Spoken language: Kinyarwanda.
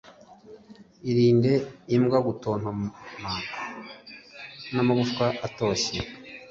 Irinde imbwa gutontoma namagufwa atoshye